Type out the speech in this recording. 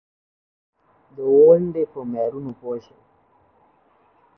غرونه د افغانستان د امنیت په اړه هم اغېز لري.